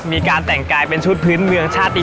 มีการแต่งกายเป็นชุดพื้นเมืองชาติดี